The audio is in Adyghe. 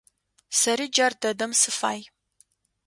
Сэри джар дэдэм сыфай.